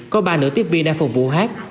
có ba nữ tiếp viên đang phục vụ hát